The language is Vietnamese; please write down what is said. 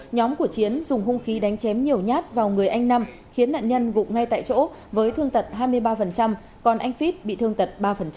nhóm của chiến dùng hung khí đánh chém nhiều nhát vào người anh nam khiến nạn nhân gục ngay tại chỗ với thương tật hai mươi ba còn anh phít bị thương tật ba